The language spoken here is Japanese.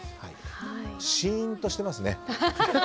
シーンとしてますね。